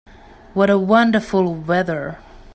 What a wonderful weather!